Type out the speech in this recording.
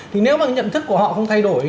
thì nếu mà nhận thức của họ không thay đổi